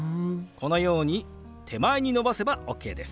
このように手前に伸ばせばＯＫです。